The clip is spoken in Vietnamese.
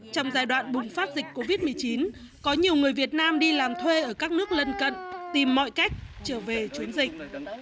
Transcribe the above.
trong giai đoạn bùng phát dịch covid một mươi chín có nhiều người việt nam đi làm thuê ở các nước lân cận tìm mọi cách trở về chiến dịch